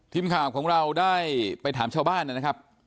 ทีมข่าวของเราได้ไปถามชาวบ้านนะครับ